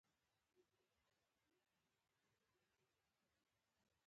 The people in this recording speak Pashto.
دوی به د روسانو د پرمختګونو مخه ونیسي.